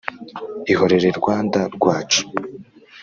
Ihorere Rwanda rwacu